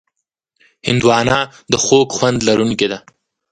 هندوانه د خوږ خوند لرونکې ده.